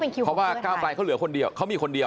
เพราะว่าก้าวไกลเขาเหลือคนเดียวเขามีคนเดียว